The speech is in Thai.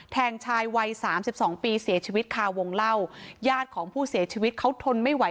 แทงชายวัยสามสิบสองปีเสียชีวิตคาวงเล่าญาติของผู้เสียชีวิตเขาทนไม่ไหว